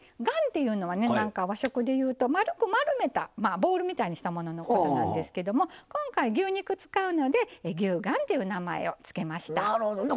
丸っていうのは和食でいうと丸く丸めたボールみたいにしたもののことなんですけど今回、牛肉使うので牛丸っていう名前を付けました。